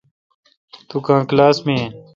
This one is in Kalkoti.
توکاں کلاس می این۔